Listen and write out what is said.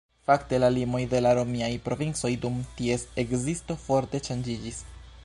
Fakte la limoj de la romiaj provincoj dum ties ekzisto forte ŝanĝiĝis.